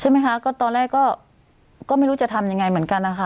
ใช่ไหมคะก็ตอนแรกก็ไม่รู้จะทำยังไงเหมือนกันนะคะ